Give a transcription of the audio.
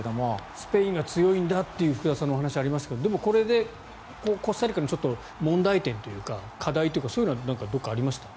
スペインが強いんだという福田さんのお話がありましたがコスタリカの問題点というか課題というかそういうのはどこかありました？